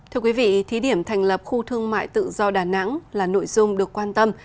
thưa quý vị thí điểm thành lập khu thương mại tự do đà nẵng là nội dung được quan tâm